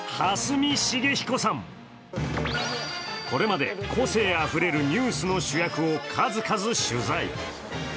これまで、個性あふれるニュースの主役を数々取材。